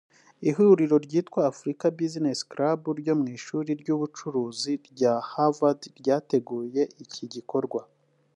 Ihuriro ryitwa Africa Business Club ryo mu ishuri ry’ubucuruzi rya Harvard ryateguye iki gikorwa